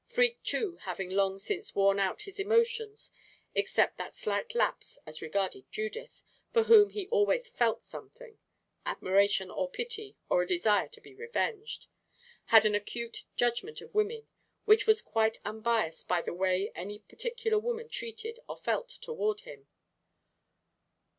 Freke, too, having long since worn out his emotions, except that slight lapse as regarded Judith, for whom he always felt something admiration, or pity, or a desire to be revenged had an acute judgment of women which was quite unbiased by the way any particular woman treated or felt toward him.